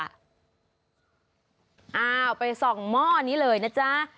อ้าวไปส่องหม้อนี้เลยนะจ๊ะ